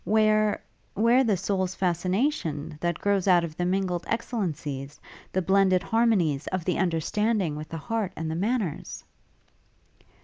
Where where the soul's fascination, that grows out of the mingled excellencies, the blended harmonies, of the understanding with the heart and the manners?'